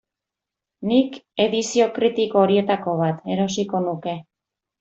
Nik edizio kritiko horietako bat erosiko nuke.